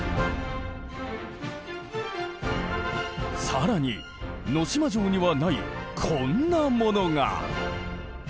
更に能島城にはないこんなモノが！